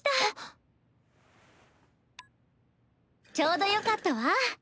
ピッちょうどよかったわ。